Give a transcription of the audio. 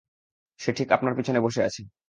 সে ঠিক আপনার পিছনে বসে আছে।